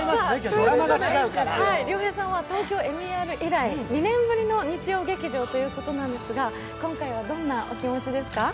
鈴木亮平さんは「ＴＯＫＹＯＭＥＲ」以来２年ぶりの日曜劇場ですが、今回はどんなお気持ちですか？